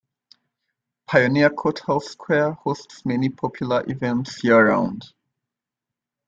Pioneer Courthouse Square hosts many popular events year round.